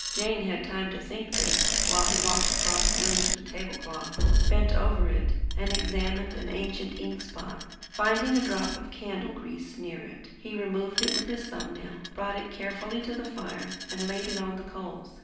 Jane had time to think this, while he walked across to the table cloth, bent over it, and examined an ancient spot of ink. Finding a drop of candle grease near it, he removed it with his thumb nail; brought it carefully to the fire, and laid it on the coals.